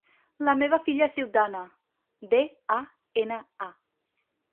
La meva filla es diu Dana: de, a, ena, a.